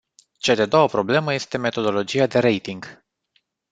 Cea de-a doua problemă este metodologia de rating.